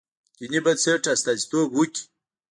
دیني بنسټ استازیتوب وکړي.